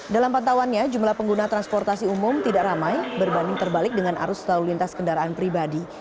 dalam pantauannya jumlah pengguna transportasi umum tidak ramai berbanding terbalik dengan arus lalu lintas kendaraan pribadi